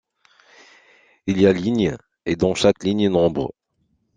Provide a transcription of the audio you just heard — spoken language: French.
Il y a lignes, et dans chaque ligne nombres.